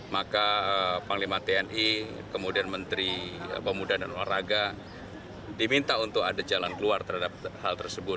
maka panglima tni kemudian menteri pemuda dan olahraga diminta untuk ada jalan keluar terhadap hal tersebut